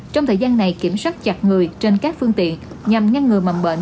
trong thời gian này kiểm soát chặt người trên các phương tiện nhằm ngăn ngừa mầm bệnh